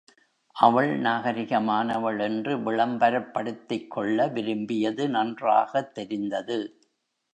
அவள் நாகரிகமானவள் என்று விளம்பரப்படுத்திக் கொள்ள விரும்பியது நன்றாகத் தெரிந்தது.